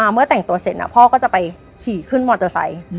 เมื่อแต่งตัวเสร็จพ่อก็จะไปขี่ขึ้นมอเตอร์ไซค์